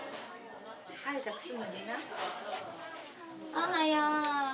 おはよう。